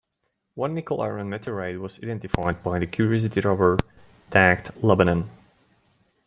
One nickel-iron meteorite was identified by the "Curiosity" rover, tagged "Lebanon.